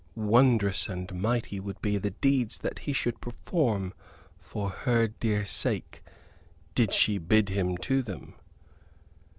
Wondrous and mighty would be the deeds that he should perform for her dear sake did she bid him to them.